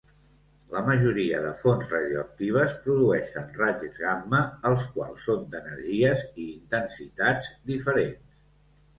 La majoria de fonts radioactives produeixen raigs gamma, els quals són d'energies i intensitats diferents.